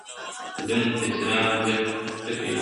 ړوند په څراغ څه کوي `